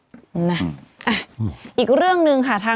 มีสารตั้งต้นเนี่ยคือยาเคเนี่ยใช่ไหมคะ